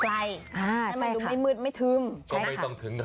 ให้มันไม่มืดไม่ถึง